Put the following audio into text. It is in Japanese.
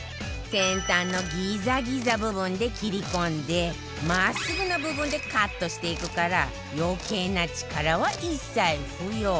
先端のギザギザ部分で切り込んで真っすぐな部分でカットしていくから余計な力は一切不要